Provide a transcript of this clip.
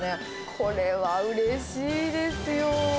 これはうれしいですよ。